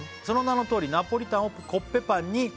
「その名のとおりナポリタンをコッペパンに」